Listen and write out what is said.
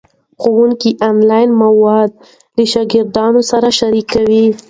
ښوونکي آنلاین مواد له شاګردانو سره شریکوي.